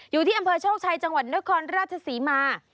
อยู่ที่อำเภอโชคชัยจังหวัดนครราชศรีมา